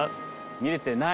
見れてない。